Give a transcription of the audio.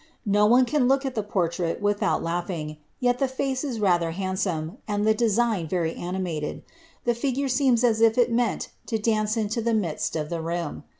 No one can look at the portrait without laughing, yet the face is rather handsome, and the design very animated ; the figure seems as if it meant to dance into the midst of the room.